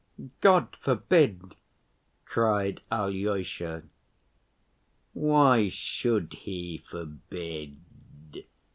"God forbid!" cried Alyosha. "Why should He forbid?"